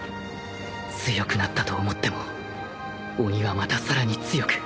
強くなったと思っても鬼はまたさらに強く